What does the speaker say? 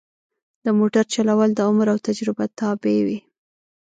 د موټر چلول د عمر او تجربه تابع وي.